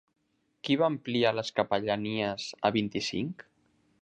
Qui va ampliar les capellanies a vint-i-cinc?